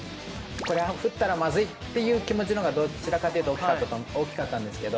これは降ったらまずいっていう気持ちの方がどちらかというと大きかったんですけど。